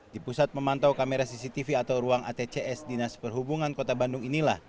di pusat memantau kamera cctv atau ruang atcs dinas perhubungan kota bandung inilah